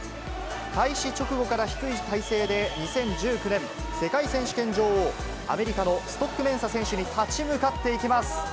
開始直後から低い体勢で、２０１９年、世界選手権女王、アメリカのストックメンサ選手に立ち向かっていきます。